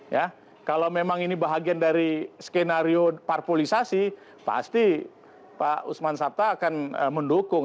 ya kalau memang ini bahagian dari skenario parpolisasi pasti pak usman sabta akan mendukung